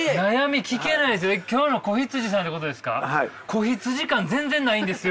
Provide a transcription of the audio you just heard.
子羊感全然ないんですよ！